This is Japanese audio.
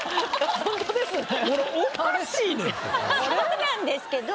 そうなんですけど。